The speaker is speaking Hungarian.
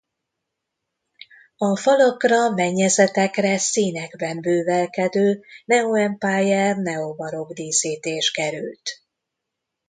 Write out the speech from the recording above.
A falakra-mennyezetekre színekben bővelkedő neoempire-neobarokk díszítés került.